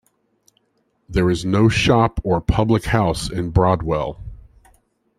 There is no shop or public house in Broadwell.